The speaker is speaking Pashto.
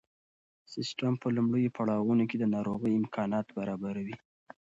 سیسټم په لومړیو پړاوونو کې د ناروغۍ امکانات برابروي.